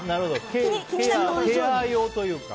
ケア用というか。